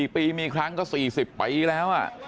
๔ปีมีครั้งก็๔๐ปีแล้ว